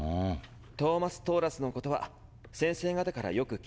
トーマス・トーラスのことは先生方からよく聞いていました。